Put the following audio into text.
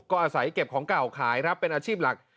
ก็อาศัยเก็บของเก่าขายครับเป็นอาชีพหลัก